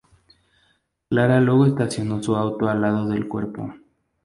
Clara luego estacionó su auto al lado del cuerpo.